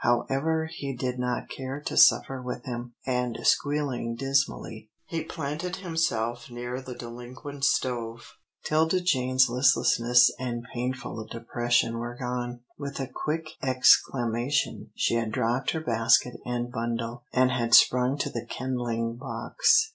However, he did not care to suffer with him, and squealing dismally, he planted himself near the delinquent stove. 'Tilda Jane's listlessness and painful depression were gone. With a quick exclamation, she had dropped her basket and bundle, and had sprung to the kindling box.